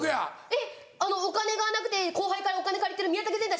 えっあのお金がなくて後輩からお金借りてる宮武ぜんた。